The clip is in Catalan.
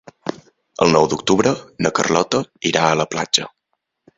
El nou d'octubre na Carlota irà a la platja.